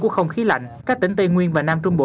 của không khí lạnh các tỉnh tây nguyên và nam trung bộ